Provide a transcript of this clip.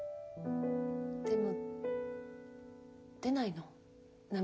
でも出ないの涙。